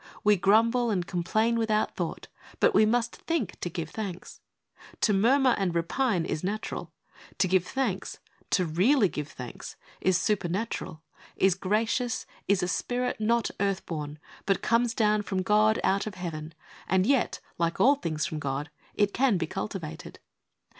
We grumble and complain without thought, but we must think to give thanks. To murmur and repine is natural, to give thanks — to really give thanks — is supernatural, is gracious, is a spirit not earth born, but comes down from God out of Heaven, and yet, like all things from God, it can be cultivated.